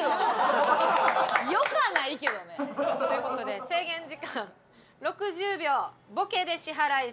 よくはないけどね。という事で制限時間６０秒ボケで支払いスタート！